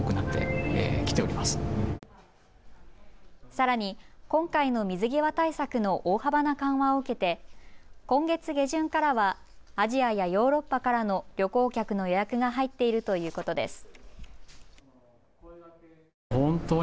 さらに今回の水際対策の大幅な緩和を受けて今月下旬からはアジアやヨーロッパからの旅行客の予約が入っているということです。